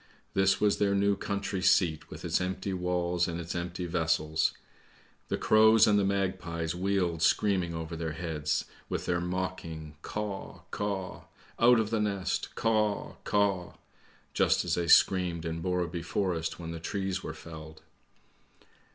This was their new country seat with its empty walls and its empty vessels. The crows and the magpies wheeled screaming over their heads with their mocking ' Caw, caw! Out of the nest, Caw, caw! ' just as they screamed in Borrebv Forest when the trees were felled.